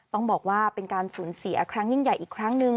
ต้องบอกว่าเป็นการสูญเสียครั้งยิ่งใหญ่อีกครั้งหนึ่ง